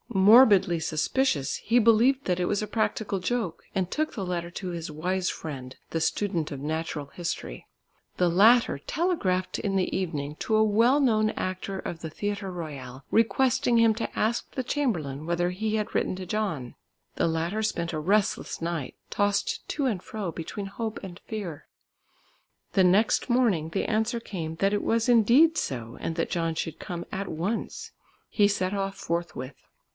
Morbidly suspicious he believed that it was a practical joke, and took the letter to his wise friend the student of Natural History. The latter telegraphed in the evening to a well known actor of the Theatre Royal requesting him to ask the chamberlain whether he had written to John. The latter spent a restless night, tossed to and fro between hope and fear. The next morning the answer came that it was indeed so and that John should come at once. He set off forthwith.